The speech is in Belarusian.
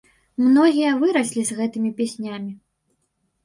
Многія выраслі з гэтымі песнямі.